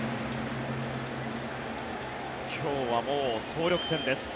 今日はもう総力戦です。